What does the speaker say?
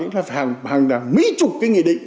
nó phải hàng hàng mỹ chục cái nghị định